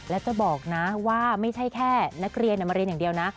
และจะบอกนะว่าไม่ใช่แค่นักเรียนมาเรียนอย่างเดียวนะ